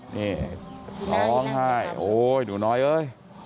นี่ร้องไห้โอ๊ยหนูน้อยเอ้ย